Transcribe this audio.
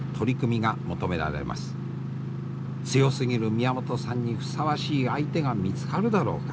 強すぎる宮本さんにふさわしい相手が見つかるだろうか。